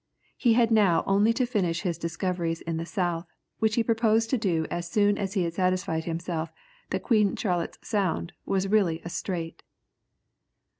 He had now only to finish his discoveries in the south, which he proposed to do as soon as he had satisfied himself that Queen Charlotte's Sound was really a strait.